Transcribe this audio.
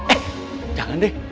eh jangan deh